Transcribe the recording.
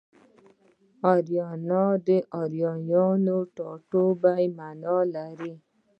اریانا د اریایانو ټاټوبی مانا لري